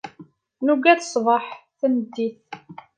Nugad ṣṣbaḥ, tameddit.